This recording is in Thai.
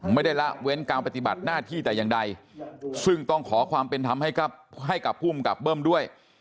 ละเว้นการปฏิบัติหน้าที่แต่อย่างใดซึ่งต้องขอความเป็นธรรมให้กับภูมิกับเบิ้มด้วย